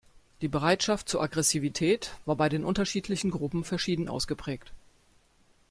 Die Bereitschaft zur Aggressivität war bei den unterschiedlichen Gruppen verschieden ausgeprägt.